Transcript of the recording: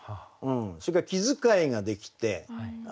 それから気遣いができて。